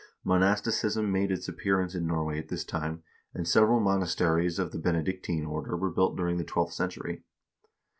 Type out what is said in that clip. Monasticism made its appearance in Norway at this time, and sev eral monasteries of the Benedictine order were built during the twelfth century.